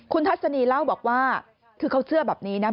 คุณทัศนีเล่าบอกว่าคือเขาเชื่อแบบนี้นะ